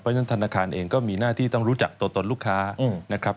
เพราะฉะนั้นธนาคารเองก็มีหน้าที่ต้องรู้จักตัวตนลูกค้านะครับ